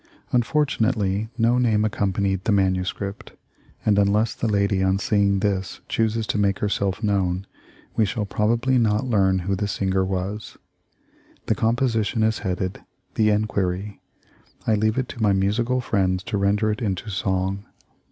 Unfortunately no name accompanied the manuscript, and unless the lady on seeing this chooses to make herself known, we shall probably not learn who the singer was. The composition is headed, "The Enquiry." I leave it to my musical friends to render it into song.